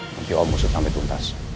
nanti om usut sampe tuntas